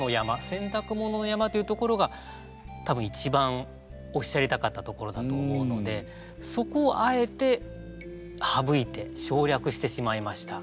洗濯物の山というところが多分一番おっしゃりたかったところだと思うのでそこをあえて省いて省略してしまいました。